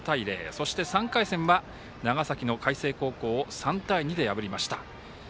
そして、３回戦は長崎の海星高校を３対２で破りました。